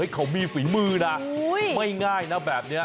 โอ๊ยแต่มีฝีมือน่ะไม่ง่ายแบบเนี้ย